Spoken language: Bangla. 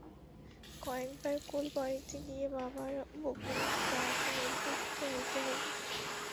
কয়েকবার কুল পাড়িতে গিয়া বাবার বকুনিতে তাহাকে নিবৃত্ত হইতে হইল।